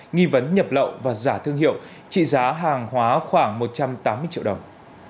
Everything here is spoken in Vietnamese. nghi vấn nhập lậu và giả thương hiệu trị giá hàng hóa khoảng một trăm tám mươi triệu đồng